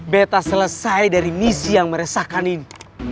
beta selesai dari misi yang meresahkan ini